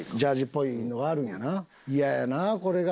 イヤやなこれが。